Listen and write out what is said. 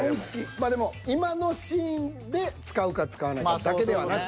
まあでも今のシーンで使うか使わないかだけではなく。